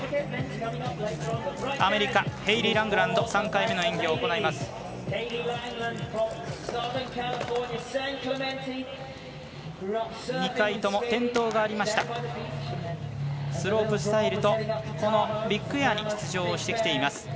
アメリカヘイリー・ラングランド３回目の演技を行います。